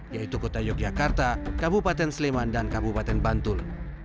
yaitu kota yogyakarta kabupaten sleman dan kabupaten bantul